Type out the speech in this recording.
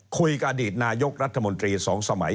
คุยกับอดีตนายกรัฐมนตรี๒สมัย